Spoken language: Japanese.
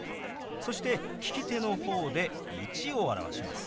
そして利き手の方で「１」を表します。